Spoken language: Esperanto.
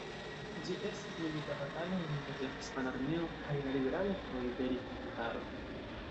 Ĝi estis milita batalo inter la hispana armeo kaj la ribelantoj de Rif-montaro.